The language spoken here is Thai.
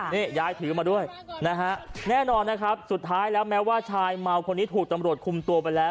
นี่ยายถือมาด้วยนะฮะแน่นอนนะครับสุดท้ายแล้วแม้ว่าชายเมาคนนี้ถูกตำรวจคุมตัวไปแล้ว